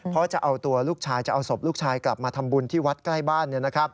เพราะจะเอาตัวลูกชายจะเอาศพลูกชายกลับมาทำบุญที่วัดใกล้บ้าน